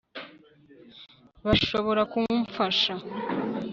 bashobora kumfasha